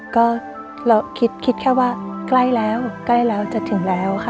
ก็คิดแค่ว่าว่าใกล้แล้วจะถึงแล้ว